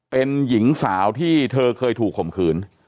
เป็นหญิงสาวที่เธอเคยถูกข่มขืน